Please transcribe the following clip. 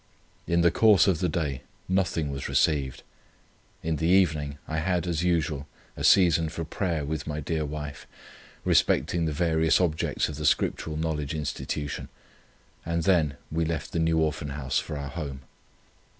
In the course of the day nothing was received. In the evening I had, as usual, a season for prayer with my dear wife, respecting the various objects of the Scriptural Knowledge Institution, and then we left the New Orphan House for our home.